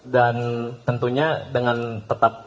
tentunya dengan tetap